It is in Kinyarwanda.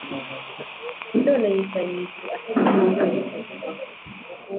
None yicaye mu ijuru ategeka byose